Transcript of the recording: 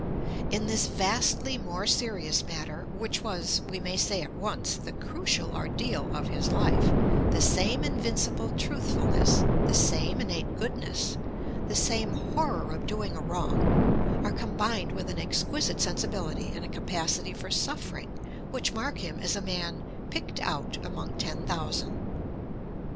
In this vastly more serious matter, which was, we may say at once, the crucial ordeal of his life, the same invincible truthfulness, the same innate goodness, the same horror of doing a wrong, are combined with an exquisite sensibility and a capacity for suffering which mark him as a man "picked out among ten thousand."